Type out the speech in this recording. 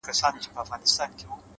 چي تلاوت وي ورته خاندي; موسيقۍ ته ژاړي;